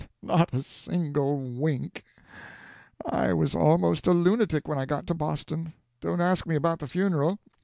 Not a single wink! I was almost a lunatic when I got to Boston. Don't ask me about the funeral.